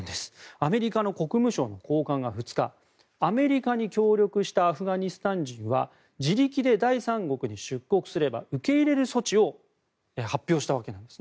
アメリカの国務省の高官が２日アメリカに協力したアフガニスタン人は自力で第三国に出国すれば受け入れる措置を発表したんです。